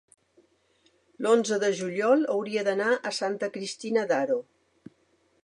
l'onze de juliol hauria d'anar a Santa Cristina d'Aro.